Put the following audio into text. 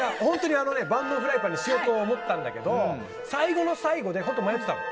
万能フライパンにしようと思ったんだけど最後の最後で本当迷ってたの。